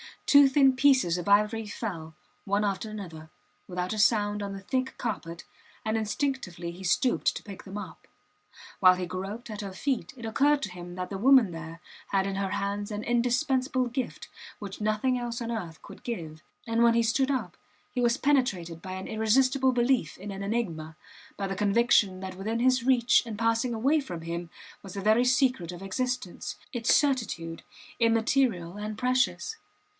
Two thin pieces of ivory fell, one after another, without a sound, on the thick carpet, and instinctively he stooped to pick them up. While he groped at her feet it occurred to him that the woman there had in her hands an indispensable gift which nothing else on earth could give; and when he stood up he was penetrated by an irresistible belief in an enigma, by the conviction that within his reach and passing away from him was the very secret of existence its certitude, immaterial and precious!